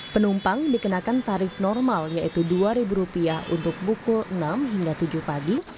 penumpang dikenakan tarif normal yaitu rp dua untuk pukul enam hingga tujuh pagi